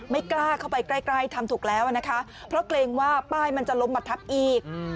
ไม่กล้าเข้าไปใกล้ทำถูกแล้วนะคะเพราะเกรงว่าป้ายมันจะล้มมาทับอีก